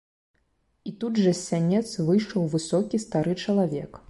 І тут жа з сянец выйшаў высокі стары чалавек.